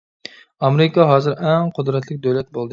ئامېرىكا ھازىر ئەڭ قۇدرەتلىك دۆلەت بولدى.